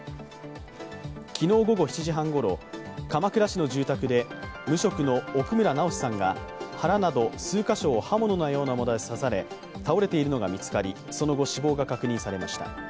昨日午後７時半ごろ、鎌倉市の住宅で無職の奥村直司さんが腹など数カ所を刃物のようなもので刺され倒れているのが見つかりその後、死亡が確認されました。